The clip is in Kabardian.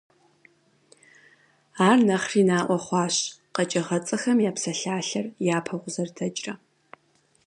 Ар нэхъри наӏуэ хъуащ «Къэкӏыгъэцӏэхэм я псалъалъэр» япэу къызэрыдэкӏрэ.